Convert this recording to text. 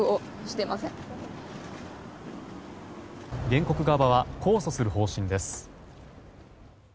原告側は控訴する方針です。